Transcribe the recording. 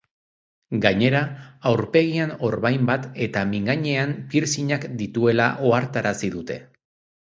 Gainera, aurpegian orbain bat eta mingainean piercingak dituela ohartarazi dute.